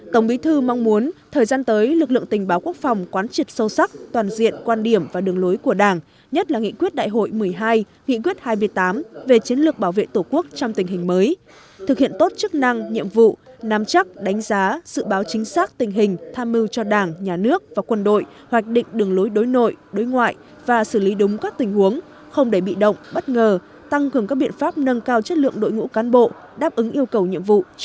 tổng bí thư mong muốn thời gian tới lực lượng tình báo quốc phòng quán triệt sâu sắc toàn diện quan điểm và đường lối của đảng nhất là nghị quyết đại hội một mươi hai nghị quyết hai mươi tám về chiến lược bảo vệ tổ quốc trong tình hình mới thực hiện tốt chức năng nhiệm vụ nắm chắc đánh giá dự báo chính xác tình hình tham mưu cho đảng nhà nước và quân đội hoạch định đường lối đối nội đối ngoại và xử lý đúng các tình huống không để bị động bất ngờ tăng cường các biện pháp nâng cao chất lượng đội ngũ cán bộ đáp ứng yêu cầu nhi